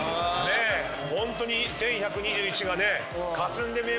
ホントに１，１２１がねかすんで見えますね。